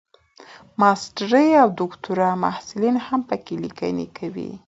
د ماسټرۍ او دوکتورا محصلین هم پکې لیکني کوي.